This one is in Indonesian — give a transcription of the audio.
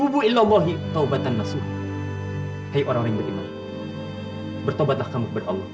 bertobatlah kamu kepada allah